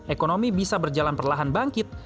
ekonomi bisa berjalan perlahan bangkit